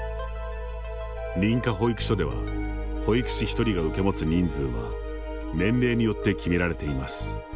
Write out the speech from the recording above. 認可保育所では保育士１人が受け持つ人数は年齢によって決められています。